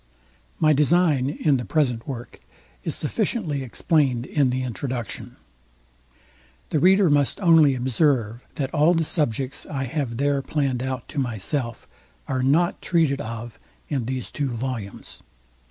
My design in the present work is sufficiently explained in the Introduction. The reader must only observe, that all the subjects I have there planned out to myself, are not treated of in these two volumes.